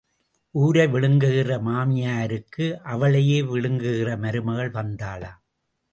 ஊரை விழுங்குகிற மாமியாருக்கு அவளையே விழுங்குகிற மருமகள் வந்தாளாம்.